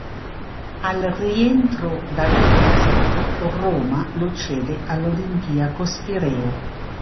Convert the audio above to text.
Al rientro dal prestito, Roma lo cede all'Olympiakos Pireo.